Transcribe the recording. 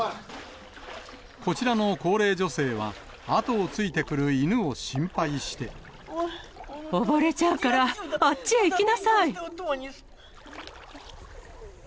こちらの高齢女性は、溺れちゃうからあっちへ行きなさい。